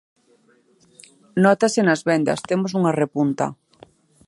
Nótase nas vendas, temos unha repunta.